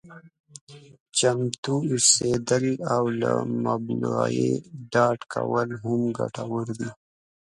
چمتو اوسېدل او له مبالغې ډډه کول هم ګټور دي.